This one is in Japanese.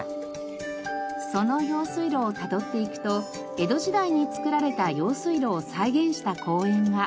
その用水路をたどっていくと江戸時代に造られた用水路を再現した公園が。